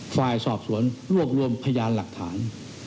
ฝ่ายสอบสวนรวบรวมพยานหลักฐาน